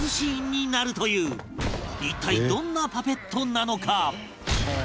一体どんなパペットなのか？